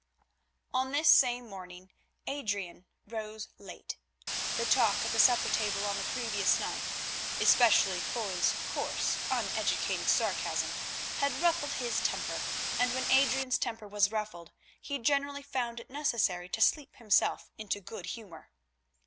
On this same morning Adrian rose late. The talk at the supper table on the previous night, especially Foy's coarse, uneducated sarcasm, had ruffled his temper, and when Adrian's temper was ruffled he generally found it necessary to sleep himself into good humour.